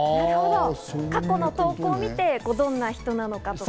過去の投稿を見て、どんな人なのかとか。